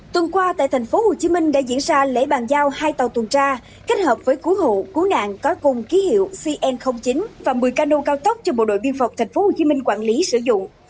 tuần qua tại tp hcm đã diễn ra lễ bàn giao hai tàu tuần tra kết hợp với cứu hộ cứu nạn có cùng ký hiệu cn chín và một mươi cano cao tốc cho bộ đội biên phòng tp hcm quản lý sử dụng